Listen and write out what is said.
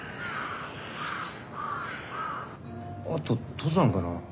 あと登山かな？